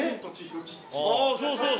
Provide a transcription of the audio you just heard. ああそうそうそう。